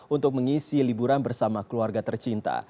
untuk mengisi liburan bersama keluarga tercinta